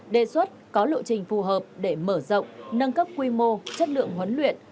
đề xuất có lộ trình phù hợp để mở rộng nâng cấp quy mô chất lượng huấn luyện